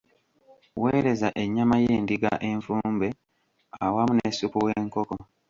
Weereza ennyama y'endiga enfumbe awamu ne ssupu w'enkoko.